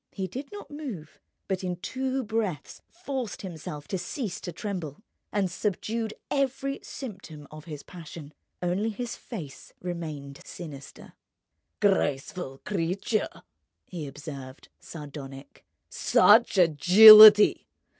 He did not move, but in two breaths forced himself to cease to tremble, and subdued every symptom of his passion. Only his face remained sinister. "Graceful creature!" he observed, sardonic. "Such agility!